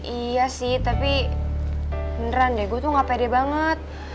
iya sih tapi beneran deh gue tuh gak pede banget